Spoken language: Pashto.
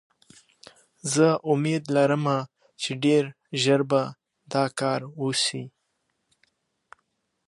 ژمی د افغان کلتور په داستانونو کې راځي.